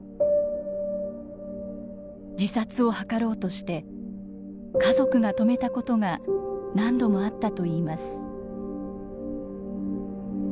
自殺を図ろうとして家族が止めたことが何度もあったといいます。